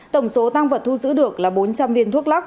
tổng số tăng vật thu giữ được là bốn trăm linh viên thuốc lắc